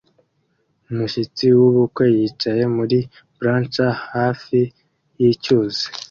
umushyitsi wubukwe yicaye muri blachers hafi yicyuzi